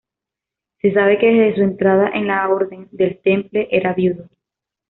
Se sabe que desde su entrada en la Orden del Temple era viudo.